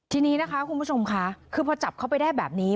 ทีนี้นะคะคุณผู้ชมค่ะคือพอจับเขาไปได้แบบนี้